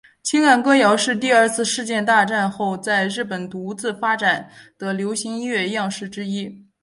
情感歌谣是第二次世界大战后在日本独自发展的流行音乐样式之一。